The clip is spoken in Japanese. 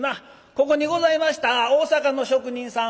ここにございました大阪の職人さん